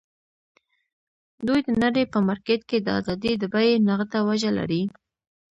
دوی د نړۍ په مارکېټ کې د ازادۍ د بیې نغده وجه لري.